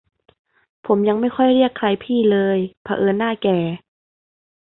ผม ยังไม่ค่อยเรียกใครพี่เลย เผอิญหน้าแก่